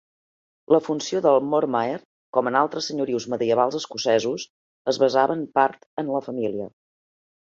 La funció del Mormaer, com en altres senyorius medievals escocesos, es basava en part en la família.